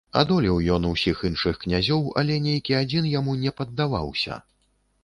Адолеў ён усіх іншых князёў, але нейкі адзін яму не паддаваўся.